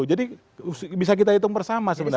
jadi bisa kita hitung bersama sebenarnya